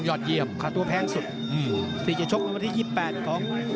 ยอดเยี่ยมคันตัวแพงสุดอืมที่จะชกมาวันที่ยี่สิบแปดของ